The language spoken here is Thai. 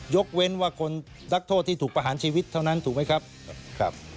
ยกเว้นว่าคนนักโทษที่ถูกประหารชีวิตเท่านั้นถูกไหมครับ